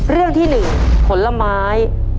เรื่องที่หนึ่งผลไม้